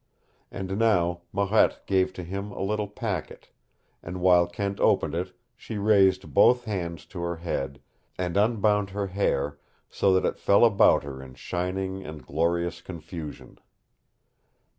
And now Marette gave to him a little packet, and while Kent opened it she raised both hands to her head and unbound her hair so that it fell about her in shining and glorious confusion.